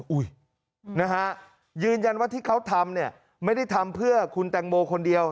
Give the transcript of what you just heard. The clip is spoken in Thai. นะฮะยืนยันว่าที่เขาทำเนี่ยไม่ได้ทำเพื่อคุณแตงโมคนเดียว